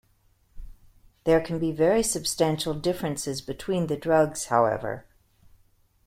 There can be very substantial differences between the drugs, however.